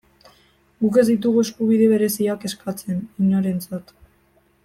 Guk ez ditugu eskubide bereziak eskatzen, inorentzat.